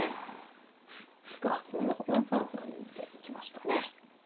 あっ今４三歩成で行きましたね。